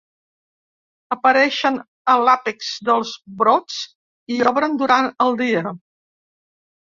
Apareixen a l'àpex dels brots i obren durant el dia.